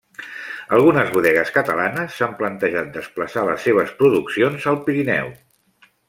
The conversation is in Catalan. Algunes bodegues catalanes s'han plantejat desplaçar les seves produccions al Pirineu.